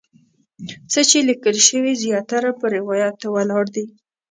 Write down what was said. څه چې لیکل شوي زیاتره پر روایاتو ولاړ دي.